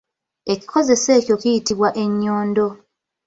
Ekikozeso ekyo kiyitibwa ennyondo.